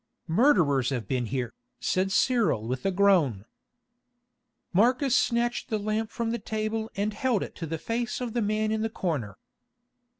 "Murderers have been here," said Cyril with a groan. Marcus snatched the lamp from the table and held it to the face of the man in the corner.